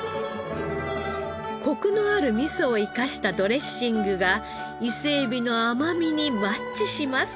コクのある味噌を生かしたドレッシングが伊勢エビの甘みにマッチします。